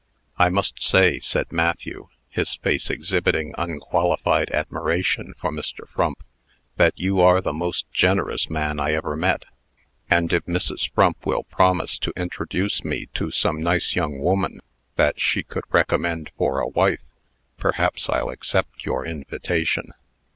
"I must say," said Matthew, his face exhibiting unqualified admiration for Mr. Frump, "that you are the most generous man I ever met. And, if Mrs. Frump will promise to introduce me to some nice young woman, that she could recommend for a wife, perhaps I'll accept your invitation."